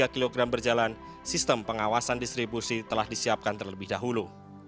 akan berjalan sistem pengawasan distribusi telah disiapkan terlebih dahulu